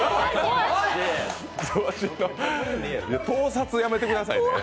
盗撮やめてくださいね。